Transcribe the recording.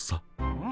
「うん？